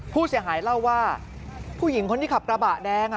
ผู้เสียหายเล่าว่าผู้หญิงคนที่ขับกระบะแดง